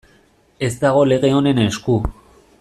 Ez dago lege honen esku.